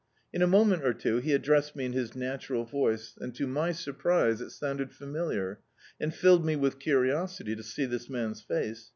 In a moment or two he addressed me in his natural voice, and, to my surprise, it sounded familiar, and filled me with curiosity to see this man's face.